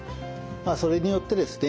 まあそれによってですね